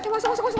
masuk masuk masuk